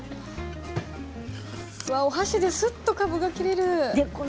お箸ですっとかぶが切れる。